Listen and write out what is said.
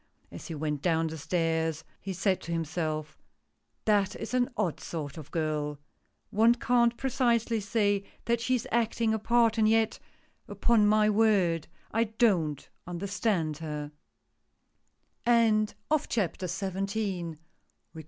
As he went down the stairs, he said to himself: " That is an odd sort of girl ! One can't precisely say that she is acting a part, and yet — upon my word, I don't understand her."